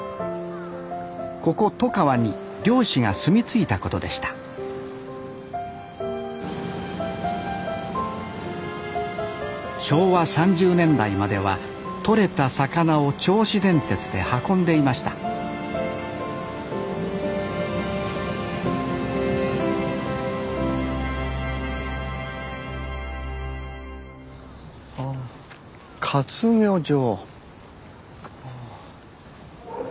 ここ外川に漁師が住み着いたことでした昭和３０年代までは取れた魚を銚子電鉄で運んでいましたあ活魚場。